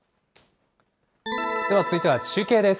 では続いては中継です。